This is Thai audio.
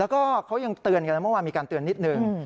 ก็เขายังเตือนมาว่ามีการเตือนนิดหนึ่ง